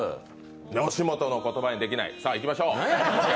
吉本の「言葉にできない」さあいきましょう！